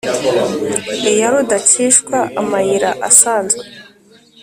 Iya rudacishwa amayira asanzwe